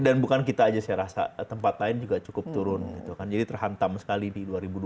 dan bukan kita saja saya rasa tempat lain juga cukup turun jadi terhantam sekali di dua ribu dua puluh satu